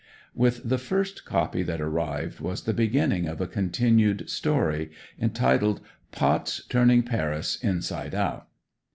With the first copy that arrived was the beginning of a continued story, entitled "Potts turning Paris inside out."